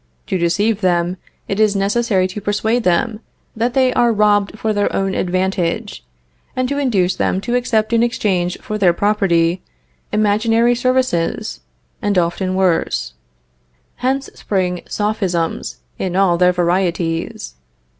To deceive them, it is necessary to persuade them that they are robbed for their own advantage, and to induce them to accept in exchange for their property, imaginary services, and often worse. Hence spring Sophisms in all their varieties.